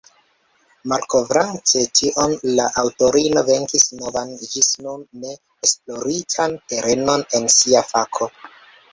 Malkovrante tion, la aŭtorino venkis novan ĝis nun ne esploritan terenon en sia fako.